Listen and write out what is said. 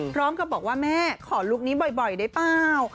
พร้อมกับบอกว่าแม่ขอลุคนี้บ่อยได้เปล่า